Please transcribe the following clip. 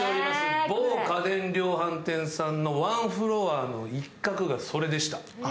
某家電量販店産の１フロアの一角がそれでした。